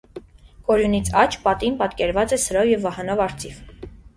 Կորյունից աջ, պատին, պատկերված է սրով և վահանով արծիվ։